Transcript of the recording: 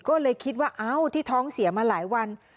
ก็เลยคิดว่าเอ้าที่ท้องเสียมาหลายวัน